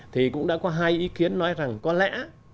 thì cũng đã có hai ý kiến nói rằng có lẽ